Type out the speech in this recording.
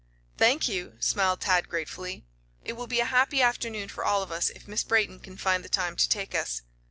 "Thank you," smiled Tad gratefully. "It will be a happy afternoon for all of us if Miss Brayton can find the time to take us."